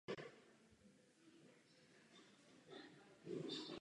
Ze skupiny odešel po nahrání třetího dema.